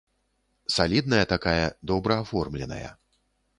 Салідная такая, добра аформленая.